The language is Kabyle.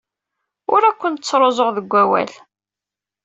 Ur kent-ttruẓuɣ deg wawal.